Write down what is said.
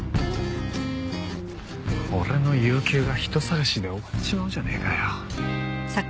俺の有休が人捜しで終わっちまうじゃねえかよ。